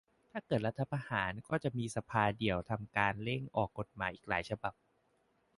ถ้าเกิดรัฐประหารก็จะมีสภาเดียวทำการเร่งออกกฎหมายอีกหลายฉบับ